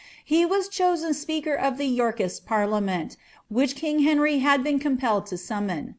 lie was chosen speaker of the Torkist parliament, which king Henry had been compelled to sum mon.'